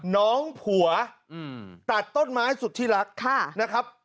น้องผัวตัดต้นไม้สุขที่รัก